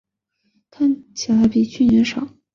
看起来比去年少